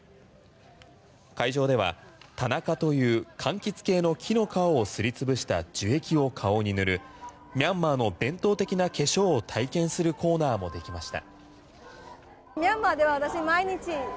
会場ではタナカという柑橘系の木の皮をすり潰した樹液を顔に塗るミャンマーの伝統的な化粧を体験するコーナーもできました。